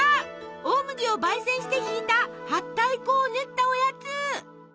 大麦をばい煎してひいたはったい粉を練ったおやつ。